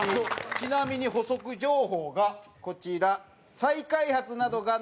ちなみに補足情報がこちら。